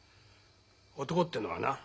男ってのはな